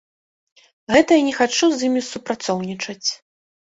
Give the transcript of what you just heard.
Гэта я не хачу з імі супрацоўнічаць.